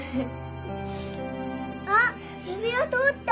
あっ指輪取った！